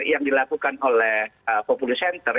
yang dilakukan oleh populi center